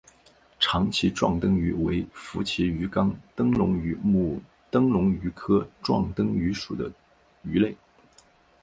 长鳍壮灯鱼为辐鳍鱼纲灯笼鱼目灯笼鱼科壮灯鱼属的鱼类。